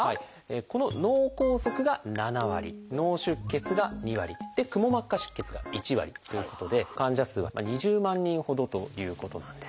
この「脳梗塞」が７割「脳出血」が２割「くも膜下出血」が１割ということで患者数は２０万人ほどということなんです。